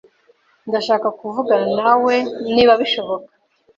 Ndashaka kuvuganawe nawe niba bishoboka.